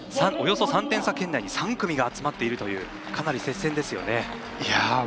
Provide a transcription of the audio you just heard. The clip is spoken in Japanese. およそ３点差圏内に３組が集まっているというかなり接戦ですよね。